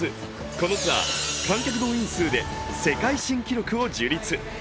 このツアー観客動員数で世界新記録を樹立。